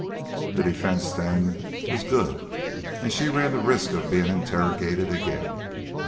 The defence, then, was good, and she ran the risk of being interrogated again.